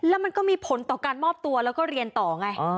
แล้วมันก็มีผลต่อการมอบตัวแล้วก็เรียนต่อไง